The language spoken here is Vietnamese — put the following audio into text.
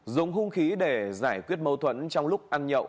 dùng hung khí để giải quyết mâu thuẫn trong lúc ăn nhậu